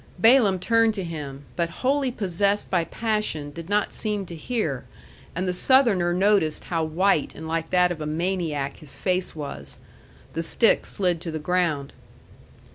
Balaam turned to him, but wholly possessed by passion did not seem to hear, and the Southerner noticed how white and like that of a maniac his face was. The stick slid to the ground.